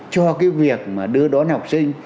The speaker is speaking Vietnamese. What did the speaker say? cho cái việc mà đưa đón học sinh